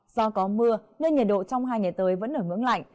do có mưa nên nhiệt độ trong hai ngày tới vẫn ở ngưỡng lạnh